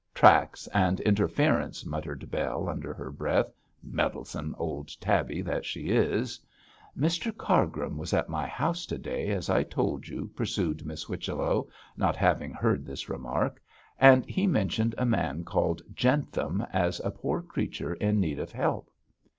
'Tracts and interference,' muttered Bell, under her breath; 'meddlesome old tabby that she is.' 'Mr Cargrim was at my house to day, as I told you,' pursued Miss Whichello, not having heard this remark, 'and he mentioned a man called Jentham as a poor creature in need of help.'